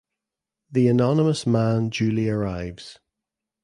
The anonymous man duly arrives.